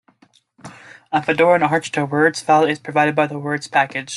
On Fedora and Arch, the words file is provided by the words package.